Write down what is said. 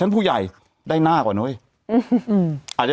แต่หนูจะเอากับน้องเขามาแต่ว่า